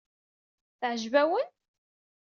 Teɛjeb-awen?